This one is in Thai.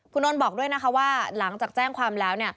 คุณนนท์บอกด้วยนะคะว่าหลังจากแจ้งความแล้ว